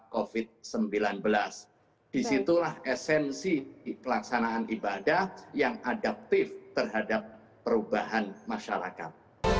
covid sembilan belas disitulah esensi pelaksanaan ibadah yang adaptif terhadap perubahan masyarakat